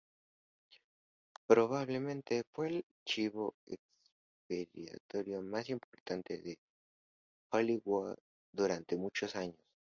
Probablemente fue el chivo expiatorio más importante de Hollywood durante muchos años.